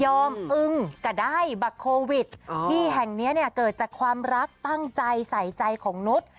อึ้งก็ได้บักโควิดที่แห่งเนี้ยเกิดจากความรักตั้งใจใส่ใจของนุษย์